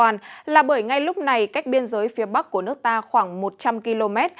ngay lúc này cách biên giới phía bắc của nước ta khoảng một trăm linh km